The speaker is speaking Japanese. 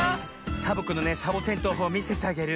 サボ子のねサボテンとうほうをみせてあげる。